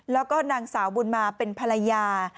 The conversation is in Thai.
แล้วก็นางสาวบุญมาเป็นภรรยา